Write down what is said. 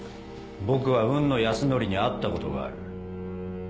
僕は雲野泰典に会ったことがある。